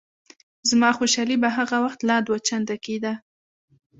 زما خوشحالي به هغه وخت لا دوه چنده کېده.